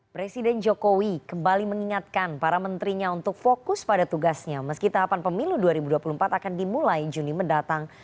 presiden jokowi kembali mengingatkan para menterinya untuk fokus pada tugasnya meski tahapan pemilu dua ribu dua puluh empat akan dimulai juni mendatang